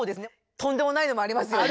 とんでもないのもありますよね。